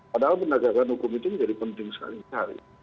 padahal pendegaran hukum itu menjadi penting sekali sehari